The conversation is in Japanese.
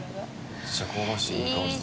めっちゃ香ばしいいい香りする。